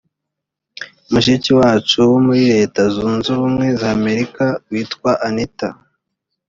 mushiki wacu wo muri leta zunze ubumwe za amerika witwa anita